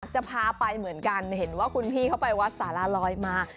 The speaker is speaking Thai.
จะพาไปเหมือนกันเห็นว่าคุณพี่เขาไปวัดสารลอยมา